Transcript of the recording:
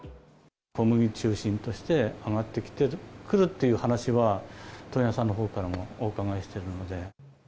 小麦を中心として、上がってくるっていう話は問屋さんのほうからもお伺いしてるので。